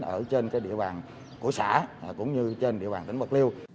ở trên địa bàn của xã cũng như trên địa bàn tỉnh bạc liêu